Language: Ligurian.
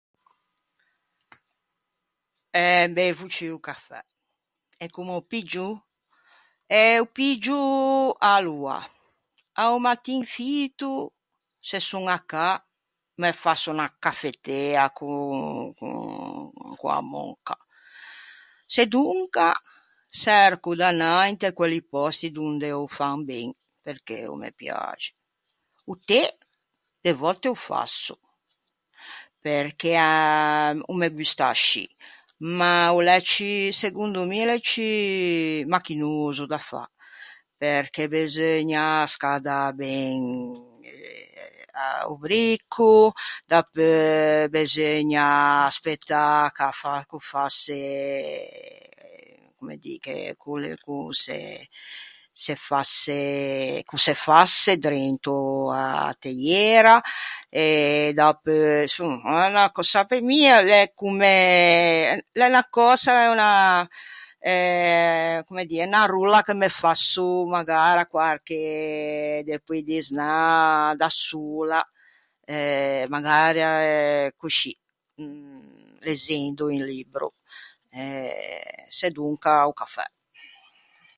Eh, beivo ciù o cafè. E comme ô piggio? Eh, ô piggio... Aloa, a-o mattin fito, se son à cà me fasso unna cafettea con, con, co-a möka. Sedonca çerco d'anâ inte quelli pòsti donde ô fan ben perché o me piaxe. O té de vòtte ô fasso, perché ah o me gusta ascì, ma o l'é ciù, segondo mi o l'é ciù machinoso da fâ, perché beseugna scädâ ben... eh... o bricco, dapeu beseugna aspëtâ ch'a fa- ch'o fasse, comme dî, che quelle cöse, se fasse, ch'o se fasse drento a-a teiera, e dapeu, insomma, a l'é unna cösa... pe mi a l'é comme, l'é unna cösa unna, eh, comme dî, unna rolla che me fasso magara quarche depodisnâ da sola, eh magara eh coscì, lezzendo un libbro, e sedonca o cafè.